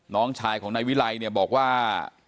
น้องชายของนายวิไลเนี่ยบอกว่า